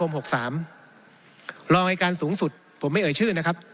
รองอายการสูงสุดผมไม่เอ่ยชื่อนะครับ